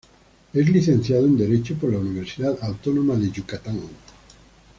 Es licenciado en derecho por la Universidad Autónoma de Yucatán.